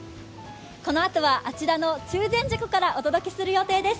このあとはあちらの中禅寺湖からお届けする予定です。